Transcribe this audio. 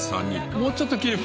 もうちょっと切れば。